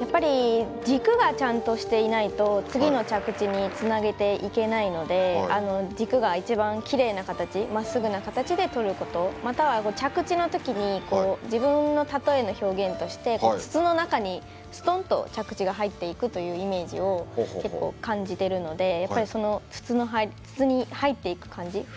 やっぱり軸がちゃんとしていないと次の着地につなげていけないので軸が一番きれいな形まっすぐな形でとることまたは着地のときに自分のたとえの表現として筒の中にすとんと着地が入っていくというイメージを感じているので筒に入っていく感じ